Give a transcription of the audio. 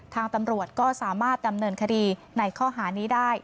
ทางตำรวจก็สามารถดำเนินคดีในข้อหานี้ได้